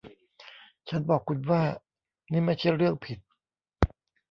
ฉันบอกคุณว่านี่ไม่ใช่เรื่องผิด